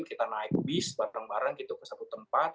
kita naik bis bareng bareng gitu ke satu tempat